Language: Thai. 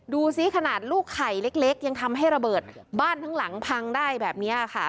ดูสิขนาดลูกไข่เล็กยังทำให้ระเบิดบ้านทั้งหลังพังได้แบบนี้ค่ะ